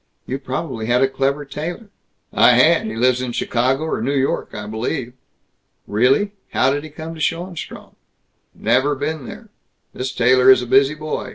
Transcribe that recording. You probably had a clever tailor." "I had. He lives in Chicago or New York, I believe." "Really? How did he come to Schoenstrom?" "Never been there. This tailor is a busy boy.